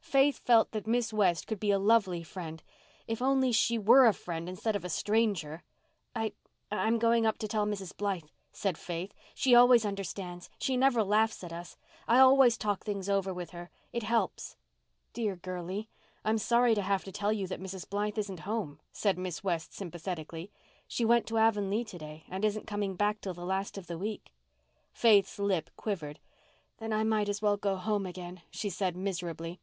Faith felt that Miss West could be a lovely friend—if only she were a friend instead of a stranger! "I—I'm going up to tell Mrs. Blythe," said Faith. "She always understands—she never laughs at us. I always talk things over with her. It helps." "Dear girlie, I'm sorry to have to tell you that Mrs. Blythe isn't home," said Miss West, sympathetically. "She went to Avonlea to day and isn't coming back till the last of the week." Faith's lip quivered. "Then I might as well go home again," she said miserably.